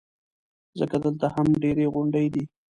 ځکه دلته هم ډېرې غونډۍ دي.